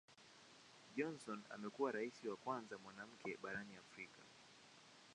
Johnson amekuwa Rais wa kwanza mwanamke barani Afrika.